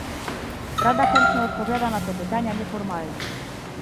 Rada chętnie odpowiada na te pytania nieformalnie